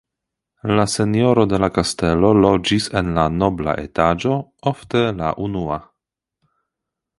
La senjoro de la kastelo loĝis en la nobla etaĝo, ofte la unua.